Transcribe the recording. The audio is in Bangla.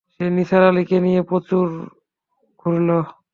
সে নিসার আলিকে নিয়ে প্রচুর ঘুরল।